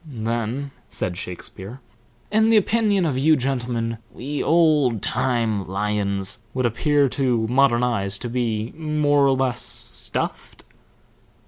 "Then," said Shakespeare, "in the opinion of you gentlemen, we old time lions would appear to modern eyes to be more or less stuffed?"